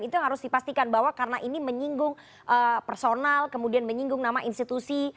itu yang harus dipastikan bahwa karena ini menyinggung personal kemudian menyinggung nama institusi